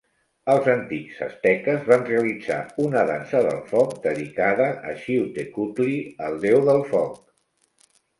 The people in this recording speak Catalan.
Els antics asteques van realitzar una dansa del foc dedicada a Xiuhtecuhtli, el déu del foc.